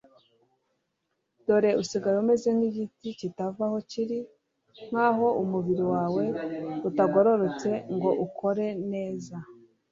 dore usigaye umeze nk'igiti kitava aho kiri, nk'aho umubiri wawe utagororotse ngo ukore neza